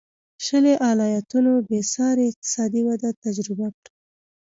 شلي ایالتونو بېسارې اقتصادي وده تجربه کړه.